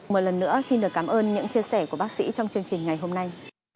một lần nữa xin được cảm ơn những chia sẻ của bác sĩ trong chương trình ngày hôm nay